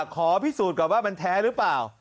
ขอพิสูจน์ก่อนว่ามันแท้หรือเปล่า